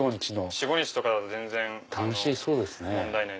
４５日とかだと全然問題ない。